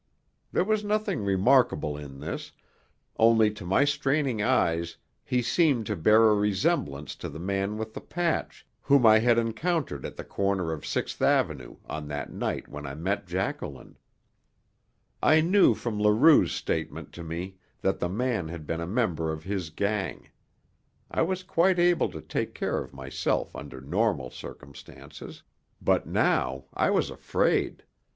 There was nothing remarkable in this, only to my straining eyes he seemed to bear a resemblance to the man with the patch whom I had encountered at the corner of Sixth Avenue on that night when I met Jacqueline. I knew from Leroux's statement to me that the man had been a member of his gang. I was quite able to take care of myself under normal circumstances. But now I was afraid.